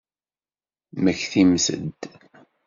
Mmektimt-d!